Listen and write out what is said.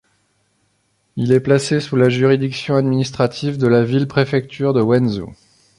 Il est placé sous la juridiction administrative de la ville-préfecture de Wenzhou.